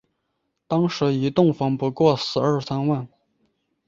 当时一栋房不过十二三万